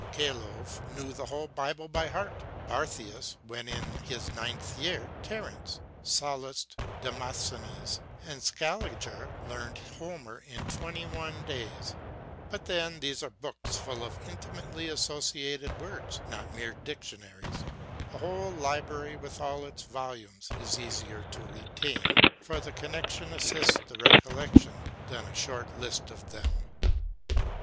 Kalov knew the whole Bible by heart ; Barthius, when but in his ninth year, Terence ; Sallust, Demosthenes ; and Scaliger learned Homer in twenty one days : but then these are books full of intimately associated words, not mere dictionaries ; a whole library with all its volumes is easier to retain, ŌĆö for the connection assists the recollec tion, ŌĆö than a short list of them.